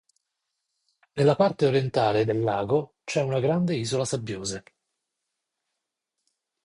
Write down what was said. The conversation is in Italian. Nella parte orientale del lago c'è una grande isola sabbiosa.